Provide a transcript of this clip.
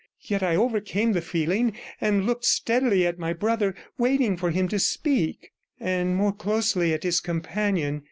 Yet I overcame the feeling, and looked steadily at my brother, waiting for him to speak, and more closely at his companion.